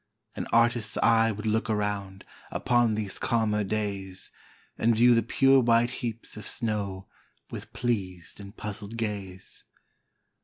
An artist's eye would look around, Upon these calmer days, And view the pure white heaps of snow, With pleas'd and puzzl'd gaze.